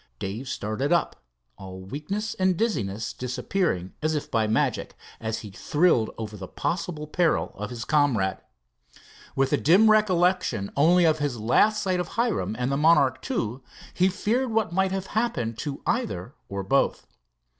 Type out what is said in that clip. Dave started up, all weakness and dizziness disappearing as if by magic, as he thrilled over the possible peril of his comrade. With a recollection only of his last sight of Hiram grid the Monarch II, he feared what might have happened to either or both.